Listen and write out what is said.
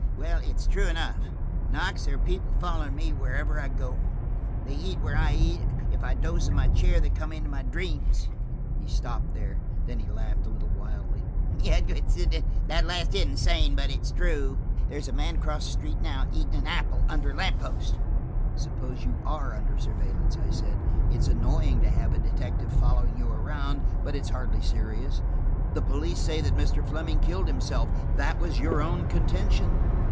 "Well, it's true enough. Knox, there are people following me wherever I go; they eat where I eat; if I doze in my chair they come into my dreams!" He stopped there, then he laughed a little wildly. "That last isn't sane, but it's true. There's a man across the street now, eating an apple under a lamppost." "Suppose you are under surveillance," I said. "It's annoying to have a detective following you around, but it's hardly serious. The police say now that Mr. Fleming killed himself; that was your own contention."